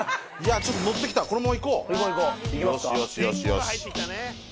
ちょっと乗ってきたこのままいこうよしよし。